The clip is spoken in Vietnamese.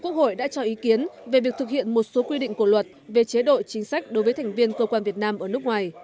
các nội dung đã được thực hiện một số quy định của luật về chế độ chính sách đối với thành viên cơ quan việt nam ở nước ngoài